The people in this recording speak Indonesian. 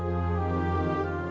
bapak sudah selesai